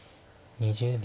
２０秒。